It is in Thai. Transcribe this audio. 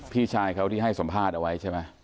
พี่ชายเขาที่ให้สัมภาษณ์เอาไว้ใช่ไหม